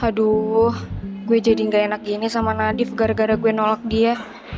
aduh gue jadi gak enak gini sama nadif gara gara gue nolak dia